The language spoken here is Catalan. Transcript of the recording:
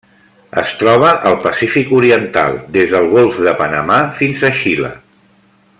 Es troba al Pacífic oriental: des del Golf de Panamà fins a Xile.